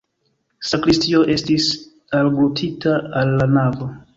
Sakristio estis alglutita al la navo.